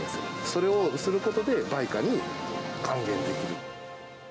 それをすることで、売価に還元できる。